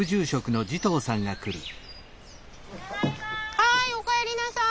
はいお帰りなさい。